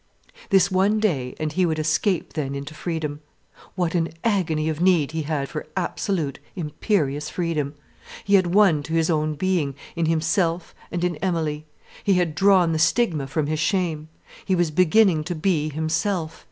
This one day, and he would escape then into freedom. What an agony of need he had for absolute, imperious freedom. He had won to his own being, in himself and Emilie, he had drawn the stigma from his shame, he was beginning to be himself.